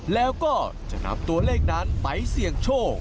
แล้วก็จะนำตัวเลขนั้นไปเสี่ยงโชค